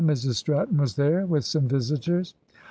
Mrs Stratton was there with some visitors.